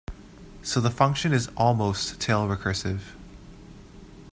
So the function is "almost" tail-recursive.